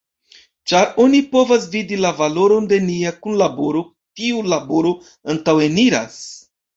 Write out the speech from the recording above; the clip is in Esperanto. Ĉar oni povas vidi la valoron de nia kunlaboro, tiu laboro antaŭeniras.